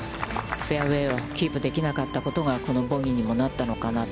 フェアウェイをキープできなかったことが、このボギーにもなったのかなと。